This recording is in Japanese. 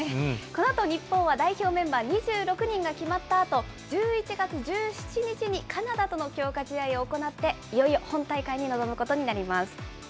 このあと日本は代表メンバー２６人が決まったあと、１１月１７日にカナダとの強化試合を行って、いよいよ本大会に臨むことになります。